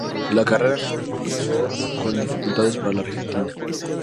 La carrera final comenzó con dificultades para la argentina.